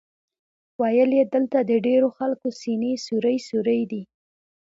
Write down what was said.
ویل یې دلته د ډېرو خلکو سینې سوري سوري دي.